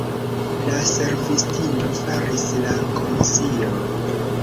La servistino faris la komision.